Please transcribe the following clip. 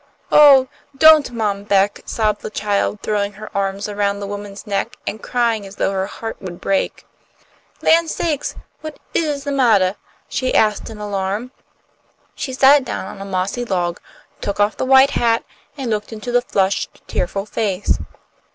"Oh, don't, Mom Beck," sobbed the child, throwing her arms around the woman's neck, and crying as though her heart would break. "Land sakes, what is the mattah?" she asked, in alarm. She sat down on a mossy log, took off the white hat, and looked into the flushed, tearful face.